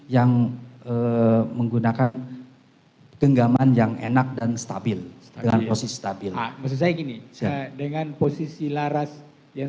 yang menggunakan tenggaman yang enak dan stabil dengan posisi stabil dengan posisi laras yang